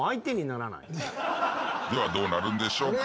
ではどうなるんでしょうか。